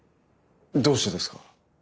どうしてですか？